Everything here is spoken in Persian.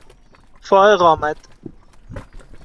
فائق آمد